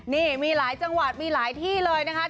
นี่มีหลายจังหวัดมีหลายที่เลยนะคะ